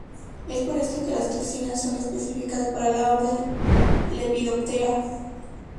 Es por esto que las toxinas son específicas para el orden Lepidoptera.